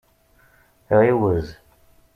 Ɛiwez.